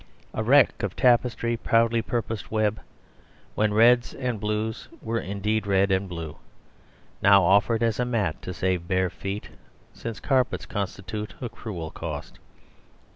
A wreck of tapestry proudly purposed web When reds and blues were indeed red and blue, Now offer'd as a mat to save bare feet (Since carpets constitute a cruel cost).